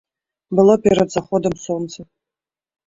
Было перад заходам сонца.